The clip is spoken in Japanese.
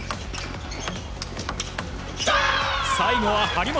最後は張本。